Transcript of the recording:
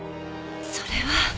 それは。